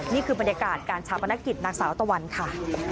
นี่คือบรรยากาศการชาปนกิจนางสาวตะวันค่ะ